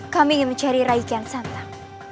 kami ingin mencari rai kian santan